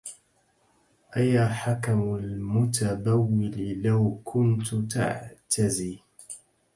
أيا حكم المتبول لو كنت تعتزي